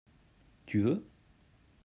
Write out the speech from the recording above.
tu veux.